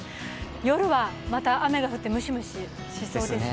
夜はまた雨が降ってムシムシしそうですね。